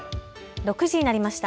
６時になりました。